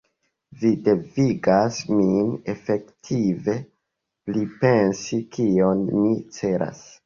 Vi devigas min efektive pripensi, kion mi celas.